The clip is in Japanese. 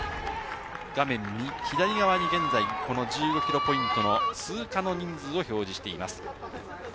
画面左側に現在１５ｋｍポイントの通過の人数を表示しています。